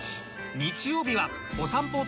日曜日はお散歩男